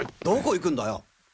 どこ行くんだよ？